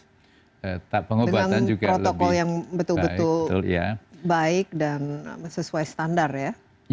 dengan protokol yang betul betul baik dan sesuai standar ya